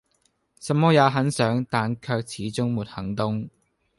什麼也很想但卻始終沒行動